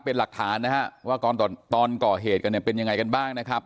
เป็นหลักฐานนะครับว่าตอนก่อเหตุกันเป็นอย่างไรกันบ้างนะครับ